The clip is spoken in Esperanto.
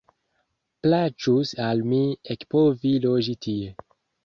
Plaĉus al mi ekpovi loĝi tie.